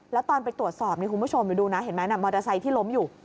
แล้วตอนไปตรวจสอบนี่คุณผู้ชมเดี๋ยวดูนะเห็นไหมมอเตอร์ไซค์ที่ล้มอยู่